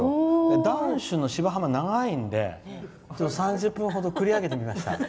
談春の「芝浜」は長いので３０分ほど繰り上げてみました。